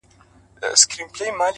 ته مي د ښكلي يار تصوير پر مخ گنډلی-